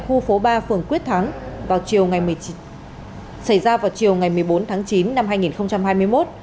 khu phố ba phường quyết thắng xảy ra vào chiều ngày một mươi bốn tháng chín năm hai nghìn hai mươi một